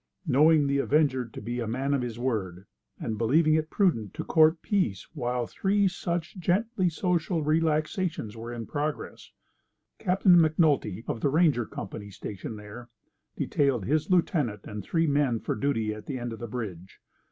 Knowing the avenger to be a man of his word, and believing it prudent to court peace while three such gently social relaxations were in progress, Captain McNulty, of the ranger company stationed there, detailed his lieutenant and three men for duty at the end of the bridge.